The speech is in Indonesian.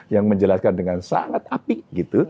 yang menjelaskan dengan sangat api